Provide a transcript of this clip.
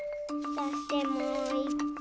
そしてもういっこ。